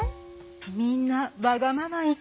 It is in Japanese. みんなわがまま言って。